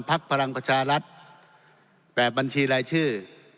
พลังประชารัฐแบบบัญชีรายชื่อ